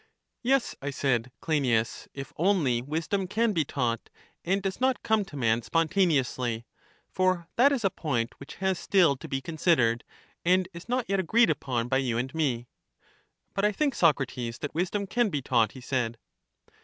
Yes, I said, Cleinias, if only wisdom can be taught, and does not come to man spontaneously; for that is a point which has still to be considered, and is not yet agreed upon by you and me. But I think, Socrates, that wisdom can be taught, he said.